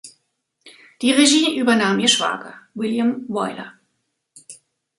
Die Regie übernahm ihr Schwager, William Wyler.